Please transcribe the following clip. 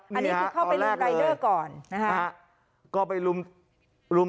อันนี้พลุกเข้าไปรุ่นลายเดอร์ก่อน